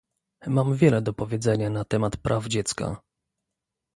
Mam wiele do powiedzenia na temat praw dziecka